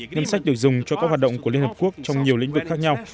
ngân sách được dùng cho các hoạt động của liên hợp quốc trong nhiều lĩnh vực khác nhau